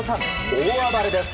大暴れです。